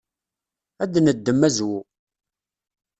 Ad d-neddem azwu.